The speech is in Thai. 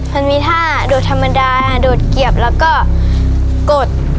มันมีท่าโดดธรรมดาโดดเกียบแล้วก็กด